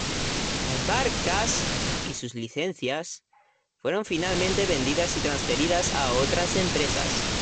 Las barcas y sus licencias fueron finalmente vendidas y transferidas a otras empresas.